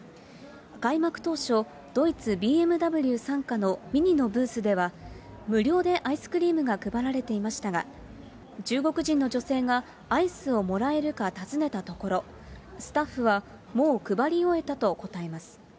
開幕当初、ドイツＢＭＷ傘下のミニのブースでは、無料でアイスクリームが配られていましたが、中国人の女性がアイスをもらえるか尋ねたところ、スタッフは、もう配り終えたと答えます。